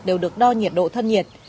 đều được đo nhiệt độ thân nhiệt